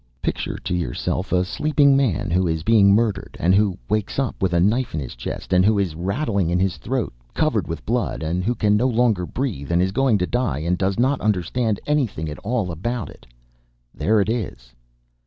Picture to yourself a sleeping man who is being murdered and who wakes up with a knife in his chest, and who is rattling in his throat, covered with blood, and who can no longer breathe, and is going to die, and does not understand anything at all about it there it is.